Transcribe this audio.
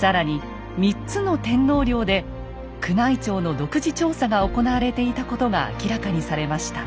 更に３つの天皇陵で宮内庁の独自調査が行われていたことが明らかにされました。